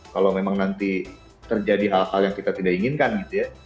kalau memang nanti terjadi hal hal yang kita tidak inginkan gitu ya